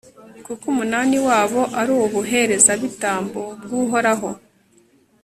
kuko umunani wabo ari ubuherezabitambo bw'uhoraho